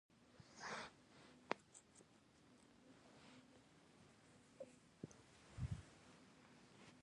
د غوږ ایښودنې له اورېدنې سره توپیر